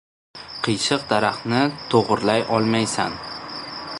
• Qiyshiq daraxtni to‘g‘rilay olmaysan.